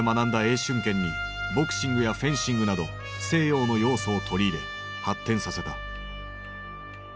春拳にボクシングやフェンシングなど西洋の要素を取り入れ発展させた。